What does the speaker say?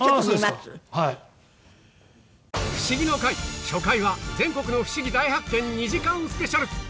『フシギの会』初回は全国のフシギ大発見２時間スペシャル